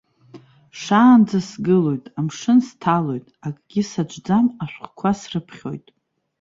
Шаанӡа сгылоит, амшын сҭалоит, акгьы саҿӡам, ашәҟәқәа срыԥхьоит.